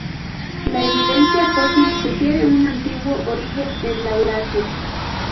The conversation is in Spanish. La evidencia fósil sugiere un antiguo origen en Laurasia.